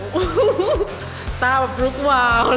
โอ้โหตาแบบลุกวาวเลยค่ะ